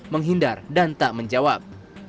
menghindar dan tak menjawab